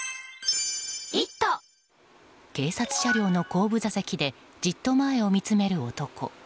警察車両の後部座席でじっと前を見つめる男。